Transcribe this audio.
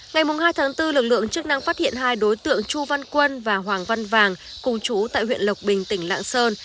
ngày hai tháng bốn lực lượng chức năng phát hiện hai đối tượng chu văn quân và hoàng văn vàng cùng chú tại huyện lộc bình tỉnh lạng sơn